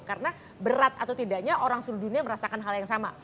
karena berat atau tidaknya orang seluruh dunia merasakan hal yang sama